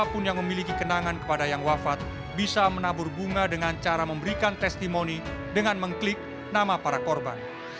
siapapun yang memiliki kenangan kepada yang wafat bisa menabur bunga dengan cara memberikan testimoni dengan mengklik nama para korban